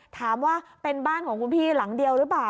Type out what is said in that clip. ถามว่าเป็นบ้านของคุณพี่หลังเดียวหรือเปล่า